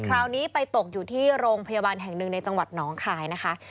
คราวนี้ไปตกอยู่ที่โรงพยาบาลแห่งหนึ่งในจังหวัดหนองคายนะคะ